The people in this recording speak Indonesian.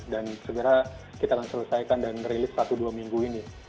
dan segera kita akan selesaikan dan rilis satu dua minggu ini